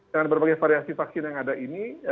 dengan berbagai variasi vaksin yang ada ini